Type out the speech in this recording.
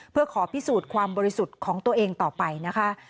เพื่อขอพิสูจน์ความบริสุทธิ์ของตัวเองต่อไปนะคะ